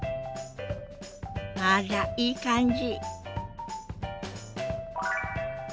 あらいい感じ。